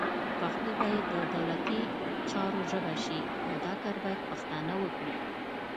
پښتو باید د دولتي چارو ژبه شي، او دا کار باید پښتانه وکړي